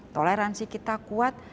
toleransi kita kuat